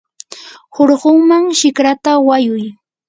hurkunman shikrata wayuy.